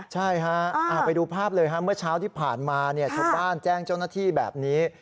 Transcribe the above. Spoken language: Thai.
ใช่ฮะไปดูภาพเลยฮะเมื่อเช้าที่ผ่านมาชาวบ้านแจ้งเจ้าหน้าที่แบบนี้